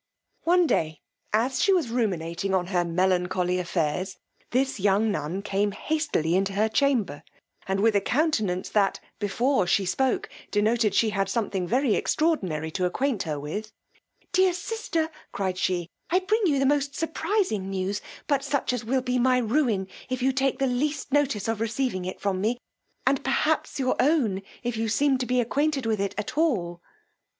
One day as she was ruminating on her melancholy affairs, this young nun came hastily into her chamber, and with a countenance that, before she spoke, denoted she had something very extraordinary to acquaint her with, dear sister, cried she, I bring you the most surprising news, but such as will be my ruin if you take the least notice of receiving it from me; and perhaps your own, if you seem to be acquainted with it at all.